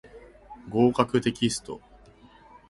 合格テキスト